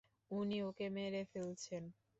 উনি ওকে মেরে ফেলছেন!